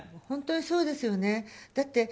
本当にそうですよね。